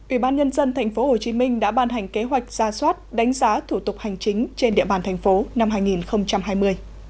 ủy ban nhân dân tp hcm đã ban hành kế hoạch ra soát đánh giá thủ tục hành chính trên địa bàn thành phố năm hai nghìn hai mươi